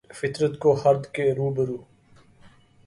فطرت کو خرد کے روبرو